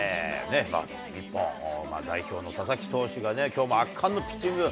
日本代表の佐々木投手が、きょうも圧巻のピッチング。